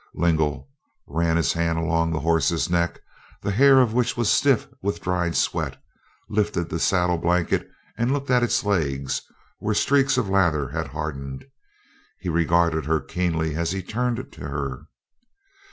Lingle ran his hand along the horse's neck, the hair of which was stiff with dried sweat, lifted the saddle blanket and looked at its legs, where streaks of lather had hardened. He regarded her keenly as he turned to her.